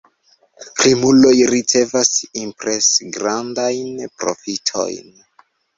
Krimuloj ricevas impresgrandajn profitojn.